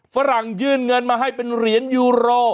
ฝรั่งยื่นเงินมาให้เป็นเหรียญยูโร